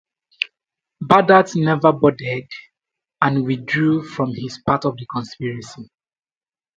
Badat never boarded and withdrew from his part of the conspiracy.